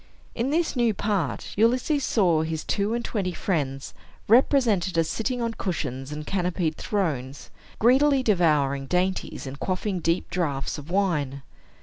In this new part, Ulysses saw his two and twenty friends represented as sitting on cushions and canopied thrones, greedily devouring dainties, and quaffing deep draughts of wine.